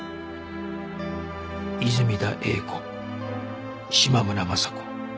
泉田栄子島村昌子